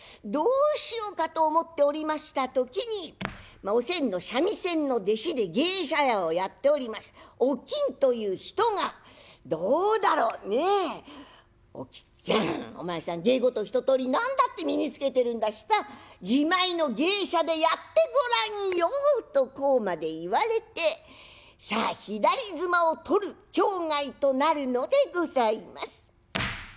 どうしようかと思っておりました時におせんの三味線の弟子で芸者屋をやっておりますおきんという人が「どうだろうねえおきっちゃんお前さん芸事一とおり何だって身につけてるんだしさ自前の芸者でやってごらんよ」とこうまで言われてさあ左褄を取る境涯となるのでございます。